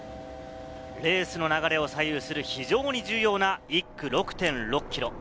レースの流れを左右する非常に重要な１区６．６ｋｍ。